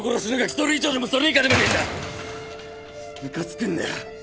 それ以上でもそれ以下でもねえんだ。ムカつくんだよ。